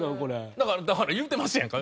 だから言うてますやんか。